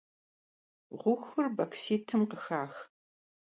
Ğuxur baksitım khıxax.